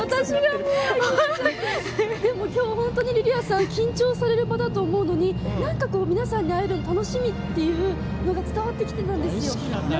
今日、本当にリリアさん緊張される場だと思うのになんか、皆さんに会えるの楽しみっていうのが伝わってきてたんですよ。